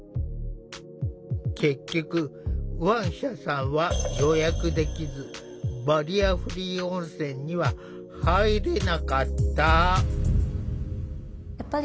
結局ワンシャさんは予約できずバリアフリー温泉には入れなかった。